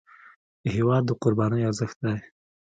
هېواد د قربانۍ ارزښت دی.